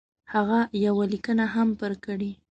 هغه یوه لیکنه هم پر کړې.